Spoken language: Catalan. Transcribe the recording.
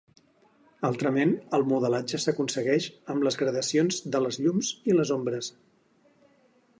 Altrament, el modelatge s'aconsegueix amb les gradacions de les llums i les ombres.